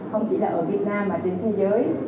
không chỉ là ở việt nam mà trên thế giới